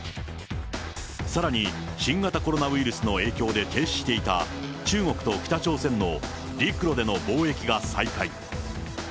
さらに、新型コロナウイルスの影響で停止していた中国と北朝鮮の陸路での貿易が再開。